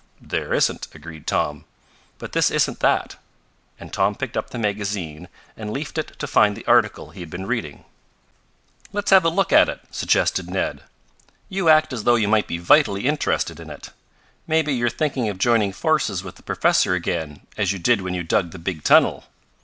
"There isn't," agreed Tom. "But this isn't that," and Tom picked up the magazine and leafed it to find the article he had been reading. "Let's have a look at it," suggested Ned. "You act as though you might be vitally interested in it. Maybe you're thinking of joining forces with the professor again, as you did when you dug the big tunnel."